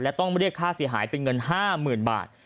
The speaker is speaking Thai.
และต้องเรียกค่าเสียหายเป็นเงิน๕๐๐๐บาท